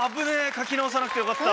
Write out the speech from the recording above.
書き直さなくてよかった。